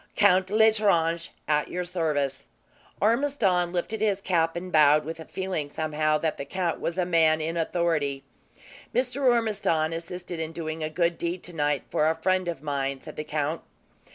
"Count L'Estrange, at your service." Ormiston lifted his cap and bowed, with a feeling somehow, that the count was a man in authority. "Mr. Ormiston assisted in doing a good deed, tonight, for a friend of mine," said the count.